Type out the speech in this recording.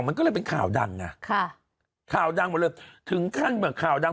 มันก็เลยเป็นข่าวดังข่าวดังหมดเลยถึงขั้นข่าวดัง